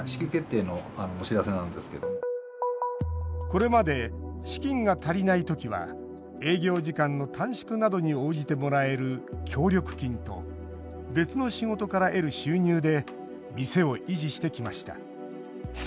これまで資金が足りないときは営業時間の短縮などに応じてもらえる協力金と別の仕事から得る収入で店を維持してきました。